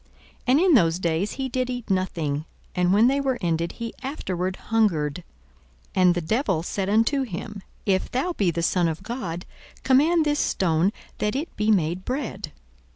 And in those days he did eat nothing: and when they were ended, he afterward hungered. 42:004:003 And the devil said unto him, If thou be the Son of God, command this stone that it be made bread.